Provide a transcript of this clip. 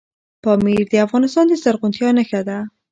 پامیر د افغانستان د زرغونتیا نښه ده.